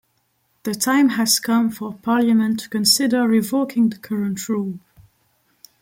The time has come for Parliament to consider revoking the current rule.